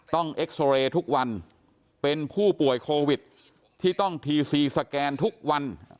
เอ็กซอเรย์ทุกวันเป็นผู้ป่วยโควิดที่ต้องทีซีสแกนทุกวัน